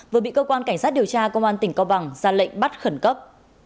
vừa bị cơ quan cảnh sát điều tra công an tỉnh cao bằng ra lệnh bắt khẩn cấp